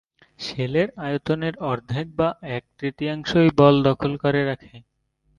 শেলের আয়তনের অর্ধেক বা এক-তৃতীয়াংশই বল দখল করে রাখে।